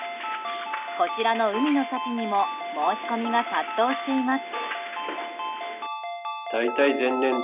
こちらの海の幸にも申し込みが殺到しています。